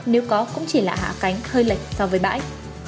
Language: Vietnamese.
nếu có cũng chỉ là hạ cánh hơi lệch so với bãi